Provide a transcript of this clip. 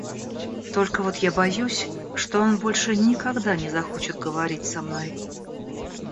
Только вот я боюсь, что он больше никогда не захочет говорить со мной.